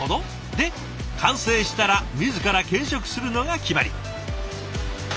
で完成したら自ら検食するのが決まり。